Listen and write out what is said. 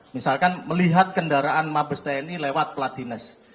misalkan melihat kendaraan mabes tni lewat platines